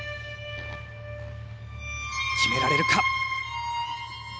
決められるか？